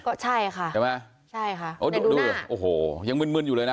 ก็ใช่ค่ะเห็นไหมใช่ค่ะในดูหน้าโอ้โหยังเมื่นเมื่นอยู่เลยนะ